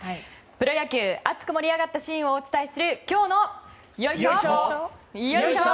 プロ野球、熱く盛り上がったシーンをお伝えする今日のよいしょ、よいしょ！